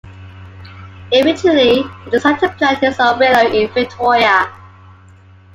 Eventually he decided to plant his own willow in Victoria.